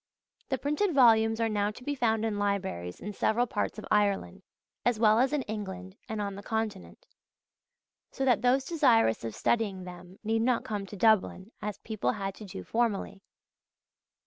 The printed volumes are now to be found in libraries in several parts of Ireland, as well as in England and on the Continent; so that those desirous of studying them need not come to Dublin, as people had to do formerly.